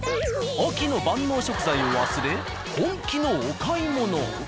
秋の万能食材を忘れ本気のお買い物。